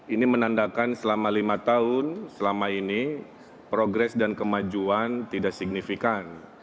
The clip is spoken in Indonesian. ini menandakan selama lima tahun selama ini progres dan kemajuan tidak signifikan